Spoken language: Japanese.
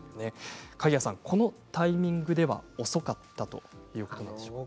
鍵屋さん、このタイミングでは遅かったということなんでしょうか？